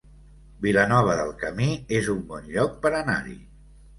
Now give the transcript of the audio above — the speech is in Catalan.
Vilanova del Camí es un bon lloc per anar-hi